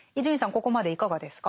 ここまでいかがですか？